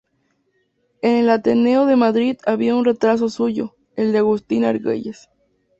En el Ateneo de Madrid había un retrato suyo: el de Agustín Argüelles.